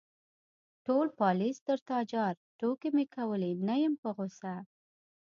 _ټول پالېز تر تا جار، ټوکې مې کولې، نه يم په غوسه.